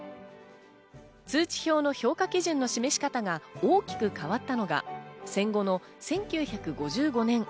通知表の評価基準の示し方が大きく変わったのが、戦後の１９５５年。